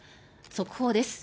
速報です。